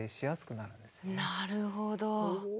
なるほど。